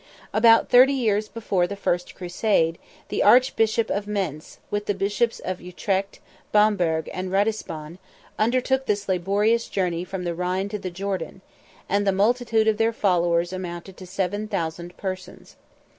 About thirty years before the first crusade, the arch bishop of Mentz, with the bishops of Utrecht, Bamberg, and Ratisbon, undertook this laborious journey from the Rhine to the Jordan; and the multitude of their followers amounted to seven thousand persons.